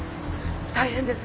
大変です！